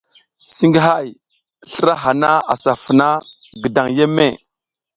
Singihay, slra hana asa funa gidan yeme.